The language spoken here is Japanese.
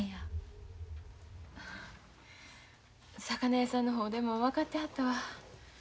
魚屋さんの方でも分かってはったわ。